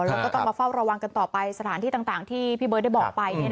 แล้วก็ต้องมาเฝ้าระวังกันต่อไปสถานที่ต่างที่พี่เบิร์ตได้บอกไป